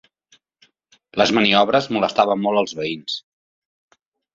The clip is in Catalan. Les maniobres molestaven molt als veïns